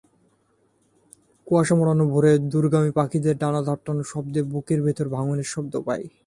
কুয়াশা মোড়ানো ভোরে দূরগামী পাখিদের ডানা ঝাপটানোর শব্দে বুকের ভেতর ভাঙনের শব্দ পাই।